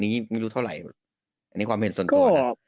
ไม่รู้เท่าไหร่อันนี้ความเห็นส่วนตัวนะ